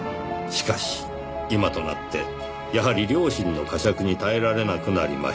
「しかし今となってやはり良心の呵責に耐えられなくなりました」